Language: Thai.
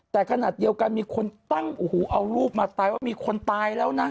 แต่ขนาดเดียวกันมีคนตั้งโอ้โหเอารูปมาตายว่ามีคนตายแล้วนะ